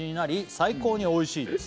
「最高に美味しいです」